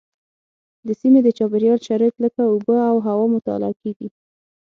د سیمې د چاپیریال شرایط لکه اوبه او هوا مطالعه کېږي.